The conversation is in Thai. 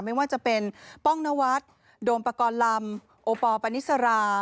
ไม่ว่าจะเป็นป้องนวัดโดมปกรณ์ลำโอปอลปานิสรา